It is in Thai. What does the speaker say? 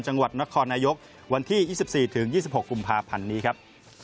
จังหวัดนครนายกวันที่๒๔ถึง๒๖กุมภาพันธ์นี้ครับ